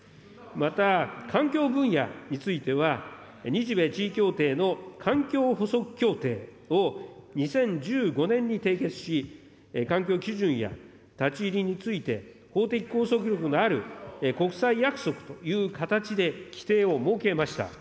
また環境分野については、日米地位協定の環境ほそく協定を２０１５年に締結し、環境基準や立ち入りについて法的拘束力のある国際約束という形で規定を設けました。